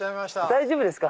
大丈夫ですか？